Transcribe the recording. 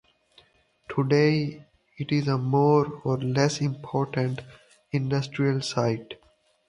Today, it is a more or less important industrial site.